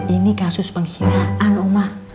ini kasus penghinaan omah